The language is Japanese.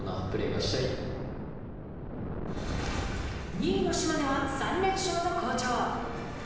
２位の島根は３連勝と好調。